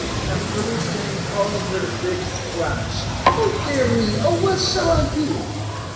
And pretty soon Polly heard a big splash. "O dear me oh, what shall I do?"